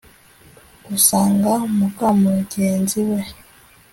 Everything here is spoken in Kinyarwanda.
usanga muka mugenzi we